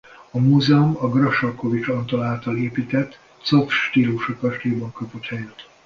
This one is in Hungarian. A múzeum a Grassalkovich Antal által építtetett copf-stílusú kastélyban kapott helyet.